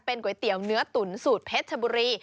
ก๋วยเตี๋ยวเนื้อตุ๋นสูตรเพชรชบุรี